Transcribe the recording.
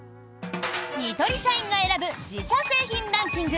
ニトリ社員が選ぶ自社製品ランキング。